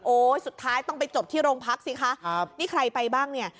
สุดท้ายต้องไปจบที่โรงพักสิคะครับนี่ใครไปบ้างเนี่ย